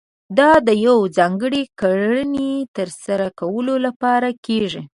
دا د يوې ځانګړې کړنې ترسره کولو لپاره کېږي.